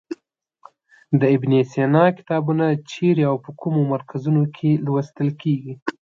د ابن سینا کتابونه چیرې او په کومو مرکزونو کې لوستل کیږي.